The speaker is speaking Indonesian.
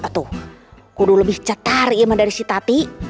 aduh kudu lebih cetar iya mah dari si tati